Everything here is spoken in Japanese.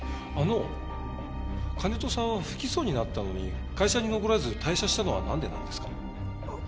あの金戸さんは不起訴になったのに会社に残らず退社したのはなんでなんですか？